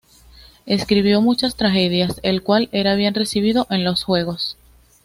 Escribió muchas tragedias, el cual era bien recibido en los juegos.